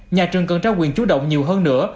nhà trường cần trao quyền chú động nhiều hơn nữa